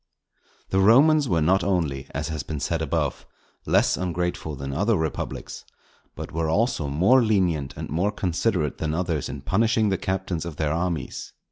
The Romans were not only, as has been said above, less ungrateful than other republics, but were also more lenient and more considerate than others in punishing the captains of their armies.